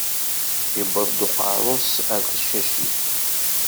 Iwweḍ uqeṛṛu-s ar tcacit.